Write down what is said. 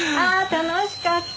楽しかった。